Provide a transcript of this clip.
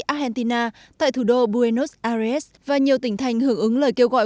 argentina tại thủ đô buenos ares và nhiều tỉnh thành hưởng ứng lời kêu gọi